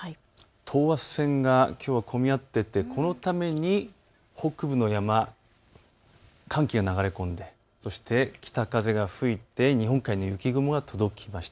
等圧線がきょうは混み合っていてこのために北部の山、寒気が流れ込んで、そして北風が吹いて日本海に雪雲が届きました。